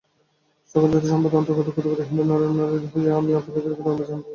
সকল জাতি ও সম্প্রদায়ের অন্তর্গত কোটি কোটি হিন্দু নরনারীর হইয়া আমি আপনাদিগকে ধন্যবাদ দিতেছি।